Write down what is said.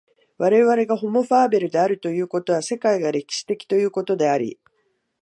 我々がホモ・ファーベルであるということは、世界が歴史的ということであり、